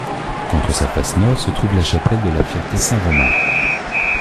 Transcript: Contre sa face Nord se trouve la chapelle de la Fierte Saint-Romain.